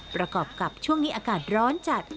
ประกอบกับช่วงนี้อากาศร้อนจัด